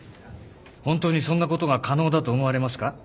本当にそんなことが可能だと思われますか？